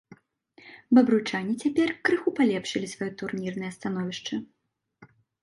Бабруйчане цяпер крыху палепшылі сваё турнірнае становішча.